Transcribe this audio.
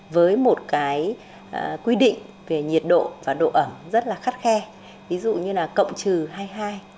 với một cái quy định về nhiệt độ và độ ẩm rất là khắt khe ví dụ như là cộng trừ hay hai